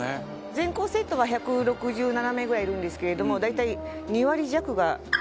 全校生徒は１６７名ぐらいいるんですけれども大体。